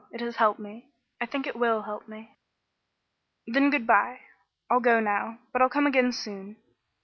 It has helped me; I think it will help me." "Then good by. I'll go now, but I'll come again soon."